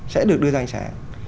sẽ được đưa ra hành trang